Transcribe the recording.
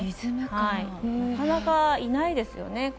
なかなかいないですよね